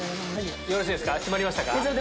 よろしいですか決まりましたか？